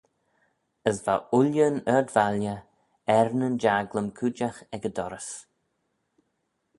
As va ooilley'n ard-valley er nyn jaglym cooidjagh ec y dorrys.